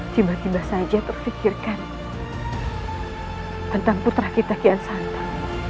tiba tiba saja terfikirkan tentang putra kita kian santa